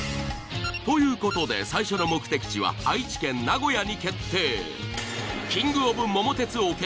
ということで最初の目的地は愛知県名古屋に決定。